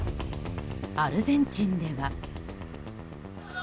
アルゼンチンでは。